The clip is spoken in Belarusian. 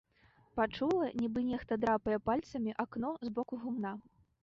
Пачула нібы нехта драпае пальцамі акно з боку гумна.